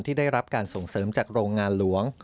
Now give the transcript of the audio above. ได้รับการส่งเสริมจากโรงงานหลวง